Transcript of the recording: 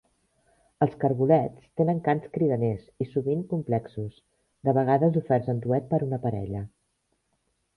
Els cargolets tenen cants cridaners i sovint complexos, de vegades oferts en duet per una parella.